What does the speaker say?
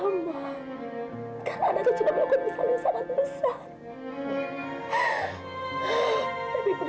kamu tidak boleh pergi dari sini